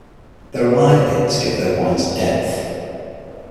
They relied on it to give their wines depth.